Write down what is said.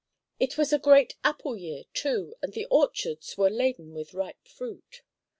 It was a great apple year, too, and the orchards were laden with ripe fruit.